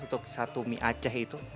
untuk satu mie aceh itu